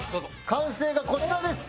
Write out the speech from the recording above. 完成がこちらです。